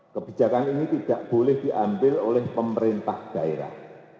kebijakan ini tidak boleh diambil oleh pemerintah daerah